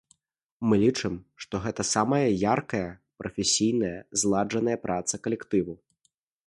Мы лічым, што гэта самая яркая, прафесійная і зладжаная праца калектыву.